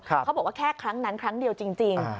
เขาบอกว่าแค่ครั้งนั้นครั้งเดียวจริง